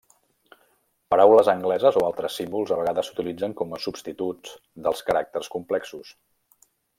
Paraules angleses o altres símbols a vegades s'utilitzen com a substituts dels caràcters complexos.